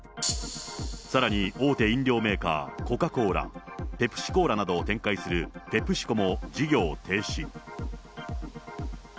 さらに大手飲料メーカー、コカ・コーラ、ペプシコーラなどを展開するペプシコも事業停止。